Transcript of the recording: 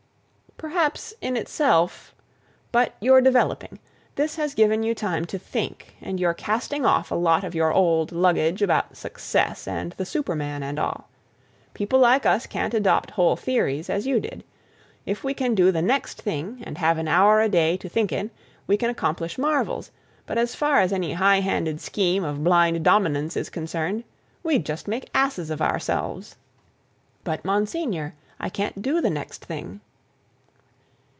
"Perhaps in itself... but you're developing. This has given you time to think and you're casting off a lot of your old luggage about success and the superman and all. People like us can't adopt whole theories, as you did. If we can do the next thing, and have an hour a day to think in, we can accomplish marvels, but as far as any high handed scheme of blind dominance is concerned—we'd just make asses of ourselves." "But, Monsignor, I can't do the next thing."